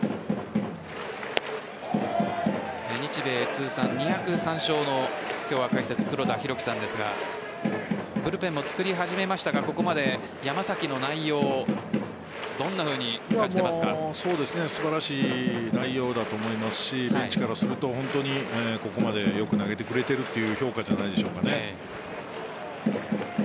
日米通算２０３勝の今日は解説・黒田博樹さんですがブルペンもつくり始めましたがここまで山崎の内容を素晴らしい内容だと思いますしベンチからすると本当にここまでよく投げてくれているという評価じゃないでしょうかね。